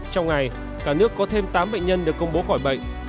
trong ngày cả nước có thêm tám bệnh nhân được công bố khỏi bệnh